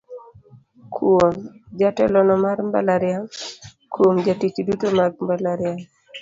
"Kuom: Jatelono mar mbalariany Kuom: Jotich duto mag mbalariany".